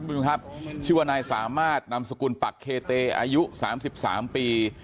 พี่ผู้ชมครับชิวในสามารถนำสกุลปรากฏเต้อายุ๓๓ปี